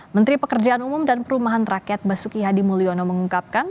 menteri pekerjaan umum dan perumahan rakyat basuki hadi mulyono mengungkapkan